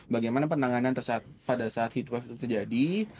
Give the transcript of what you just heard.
bagaimana penanganan pada saat heat wave terjadi